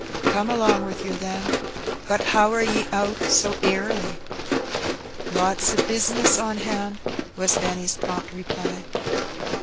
'^Come along with yer, then. But how are 'e out so airly? " '^Lots o' bisness on hand," was Benny's prompt reply.